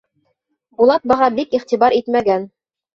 Булат быға бик иғтибар итмәгән.